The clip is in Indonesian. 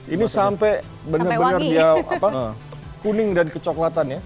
ini sampai benar benar dia kuning dan kecoklatan ya